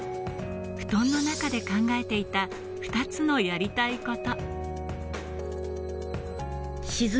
布団の中で考えていた２つのやりたいこと。